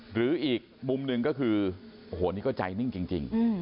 หรืออีกมุมหนึ่งก็คือโอ้โหนี่ก็ใจนิ่งจริง